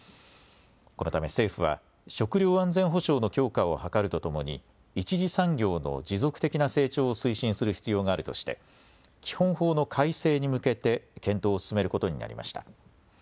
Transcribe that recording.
このため政府は食料安全保障の強化を図るとともに一次産業の持続的な成長を推進する必要があるとして基本法の改正に向けて検討を進めることになりました。